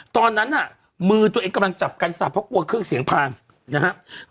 ตอนนั้นน่ะมือตัวเองกำลังจับกันสับเพราะกลัวเครื่องเสียงพังนะครับ